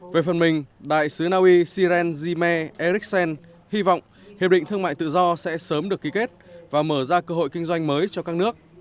về phần mình đại sứ naui siren jime errixen hy vọng hiệp định thương mại tự do sẽ sớm được ký kết và mở ra cơ hội kinh doanh mới cho các nước